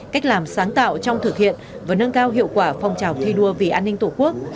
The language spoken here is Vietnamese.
cách làm sáng tạo trong thực hiện và nâng cao hiệu quả phong trào thi đua vì an ninh tổ quốc